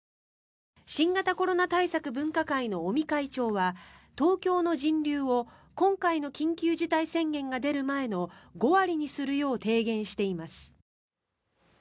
新型コロナ対策分科会の尾身会長は東京の人流を今回の緊急事態宣言が出る前の５割にするよう提言しています。